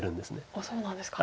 あっそうなんですか。